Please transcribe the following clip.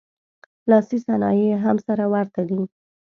لاسي صنایع یې هم سره ورته دي